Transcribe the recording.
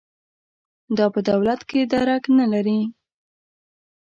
دا په دولت کې درک نه لري.